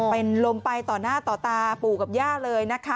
เป็นลมไปต่อหน้าต่อตาปู่กับย่าเลยนะคะ